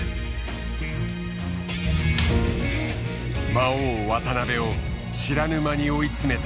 魔王渡辺を知らぬ間に追い詰めた３一銀。